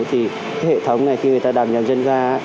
thì hệ thống này khi người ta đặt nhầm chân ga